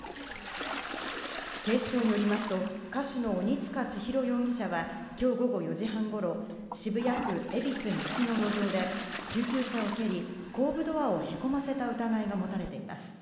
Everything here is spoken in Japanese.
警視庁によりますと歌手の鬼束ちひろ容疑者は今日午後４時半ごろ渋谷区恵比寿西の路上で救急車を蹴り、後部ドアをへこませた疑いが持たれています。